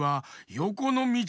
よこのみち？